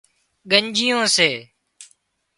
ڳنڄيون سي